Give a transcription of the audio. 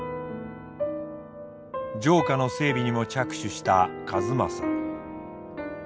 城下の整備にも着手した数正。